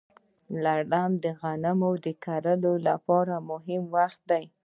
لړم د غنمو د کرلو لپاره مهم وخت دی.